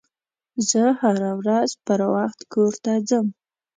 زه هره ورځ پروخت کور ته ځم